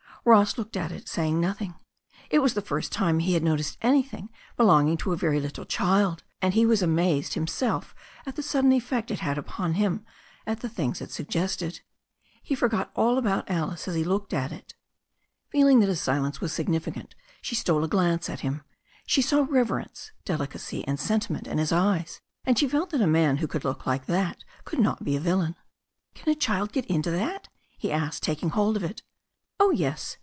Ross looked at it, saying nothing. It was the ^t%l \\s&at 302 THE STORY OF A NEW ZEALAND RIVER he had noticed an3rthing belonging to a very little child, and he was amazed himself at the sudden effect it had upon him, at the things it suggested. He forgot all about Alice as he looked at it. Feeling that his silence was significant, she stole a glance at him. She saw reverence, delicacy and sentiment in his eyes, and she felt that a man who could look like that could not be a villain. "Can a child get into that?" he asked, taking hold of it "Oh, yes.